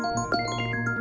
aku akan menunggu